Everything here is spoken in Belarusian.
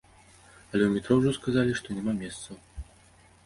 Але ў метро ўжо сказалі, што няма месцаў.